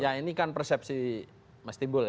ya ini kan persepsi mas timbul ya